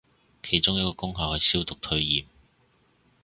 其中一個功效係消毒退炎